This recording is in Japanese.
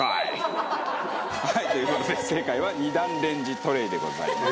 はいという事で正解は２段レンジトレイでございます。